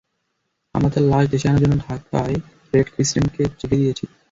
আমরা তার লাশ দেশে আনার জন্য ঢাকায় রেড ক্রিসেন্টকে চিঠি দিয়েছি।